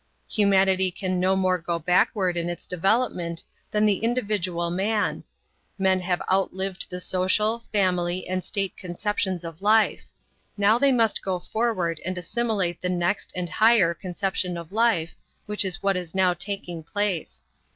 Humanity can no more go backward in its development than the individual man. Men have outlived the social, family, and state conceptions of life. Now they must go forward and assimilate the next and higher conception of life, which is what is now taking place.